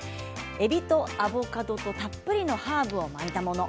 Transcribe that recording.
えびとアボカドたっぷりのハーブを巻いたもの。